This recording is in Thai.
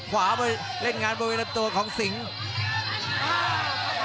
ขวามาเล่นงานบริเวณรับตัวของสิงค์